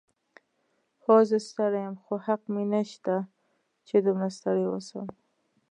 هو، زه ستړی یم، خو حق مې نشته چې دومره ستړی واوسم.